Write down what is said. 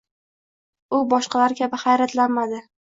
U boshqalar kabi hayratlanmadi